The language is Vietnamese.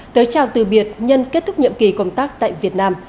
tới chào từ biệt nhân kết thúc nhiệm kỳ công tác tại việt nam